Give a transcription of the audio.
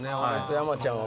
山ちゃん。